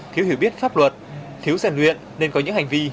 thiếu hiểu biết pháp luật thiếu giàn luyện nên có những hành vi